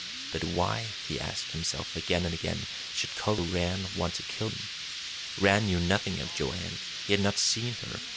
But why, he asked himself again and again, should Culver Rann want to kill him? Rann knew nothing of Joanne. He had not seen her.